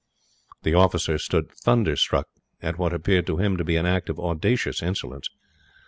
The officer stood thunderstruck at what appeared, to him, to be an act of audacious insolence.